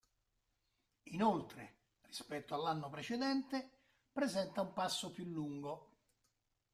Inoltre, rispetto all'anno precedente, presenta un passo più lungo.